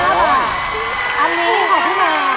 อันนี้ของพี่มา